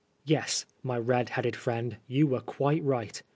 Yes, my red headed friend, you were quite right.